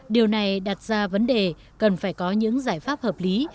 điều này đặt ra vấn đề cần phải có những giải pháp hợp lý